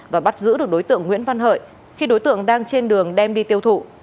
và bắt giữ được đối tượng nguyễn văn hợi khi đối tượng đang trên đường đem đi tiêu thụ